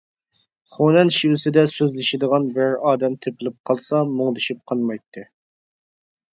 خۇنەن شېۋىسىدە سۆزلىشىدىغان بىرەر ئادەم تېپىلىپ قالسا مۇڭدىشىپ قانمايتتى.